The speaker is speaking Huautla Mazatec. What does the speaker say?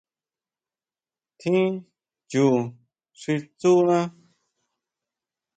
Tjín chu xi tsúna.